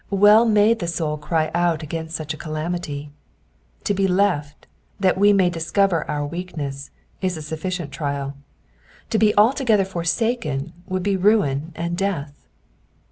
Well may the soul cry out against such a calamity. To be left, that we may discover our weakness, is a sufiicient trial : to be altogether forsaken would be ruin and death.